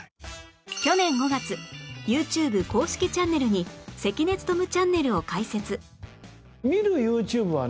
去年５月 ＹｏｕＴｕｂｅ 公式チャンネルに「関根勤チャンネル」を開設